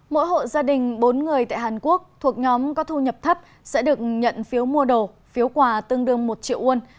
mỗi hộ gia đình bốn người tại hàn quốc thuộc nhóm có thu nhập thấp sẽ được nhận phiếu mua đồ phiếu quà tương đương một triệu won